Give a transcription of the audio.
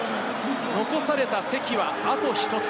残された席はあと１つ。